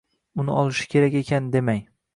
Uni olishi kerak ekan demang